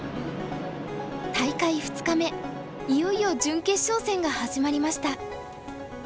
大会２日目いよいよ準決勝戦が始まりました。